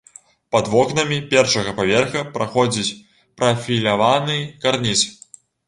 Пад вокнамі першага паверха праходзіць прафіляваны карніз.